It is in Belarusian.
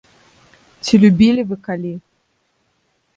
Ці любілі вы калі?